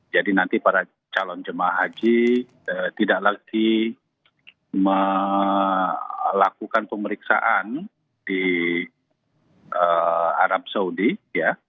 jadi nanti para calon jemaah haji tidak lagi melakukan pemeriksaan di arab saudi ya